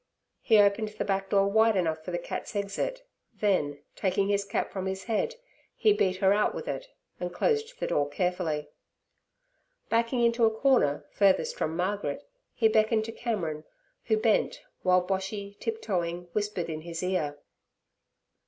He opened the back door wide enough for the cat's exit, then, taking his cap from his head, he beat her out with it, and closed the door carefully. Backing into a corner furthest from Margaret, he beckoned to Cameron, who bent, while Boshy, tiptoeing, whispered in his ear.